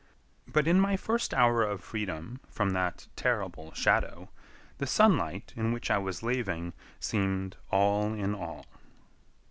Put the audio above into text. But in my first hour of freedom from that terrible shadow, the sunlight in which I was laving seemed all in all.